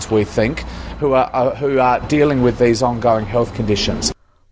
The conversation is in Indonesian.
yang sedang menguruskan kondisi kesehatan ini